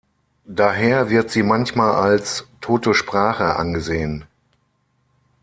Daher wird sie manchmal als "tote Sprache" angesehen.